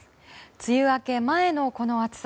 梅雨明け前のこの暑さ。